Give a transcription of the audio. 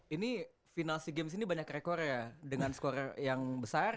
ini final sea games ini banyak rekor ya dengan skor yang besar